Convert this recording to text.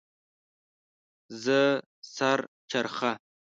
زه سر چرخه